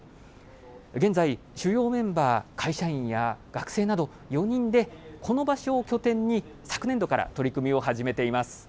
現在、主要メンバー、会社員や学生など４人でこの場所を拠点に、昨年度から取り組みを始めています。